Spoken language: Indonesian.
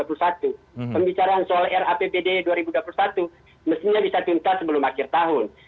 pembicaraan soal rapbd dua ribu dua puluh satu mestinya bisa tuntas sebelum akhir tahun